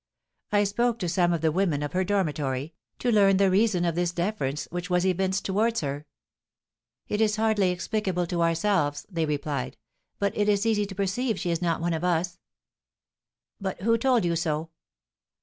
I spoke to some of the women of her dormitory, to learn the reason of this deference which was evinced towards her. 'It is hardly explicable to ourselves,' they replied; 'but it is easy to perceive she is not one of us.' 'But who told you so?'